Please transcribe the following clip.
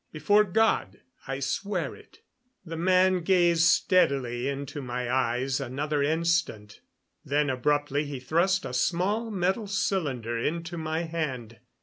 "Before God I swear it." The man gazed steadily into my eyes another instant, then abruptly he thrust a small metal cylinder into my hand.